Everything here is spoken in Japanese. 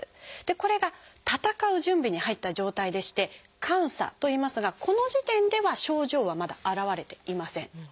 これが闘う準備に入った状態でして「感作」といいますがこの時点では症状はまだ現れていません。